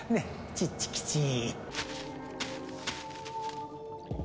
チッチキチー